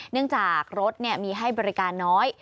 เนื่องจากรถมีให้บริการน้อย